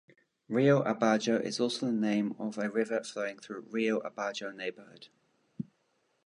Rio Abajo is also the name of a river flowing through Rio Abajo neighborhood.